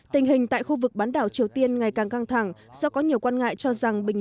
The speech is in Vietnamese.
tình hình tại khu vực bán đảo triều tiên ngày càng căng thẳng do có nhiều quan ngại cho rằng bình